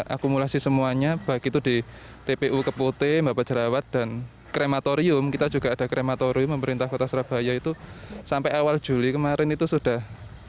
akumulasi semuanya baik itu di tpu kepote mbak jerawat dan krematorium kita juga ada krematorium pemerintah kota surabaya itu sampai awal juli kemarin itu sudah